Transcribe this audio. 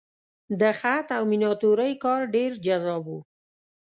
د خط او میناتورۍ کار ډېر جذاب و.